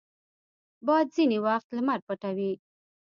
باد ځینې وخت لمر پټوي